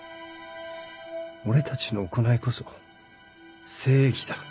俺たちの行いこそ正義だ。